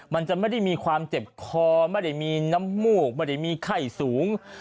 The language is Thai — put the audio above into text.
มันจะไม่ได้มีความเจ็บคอไม่ได้มีน้ำมูกไม่ได้มีไข้สูง